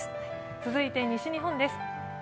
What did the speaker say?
続いて西日本です。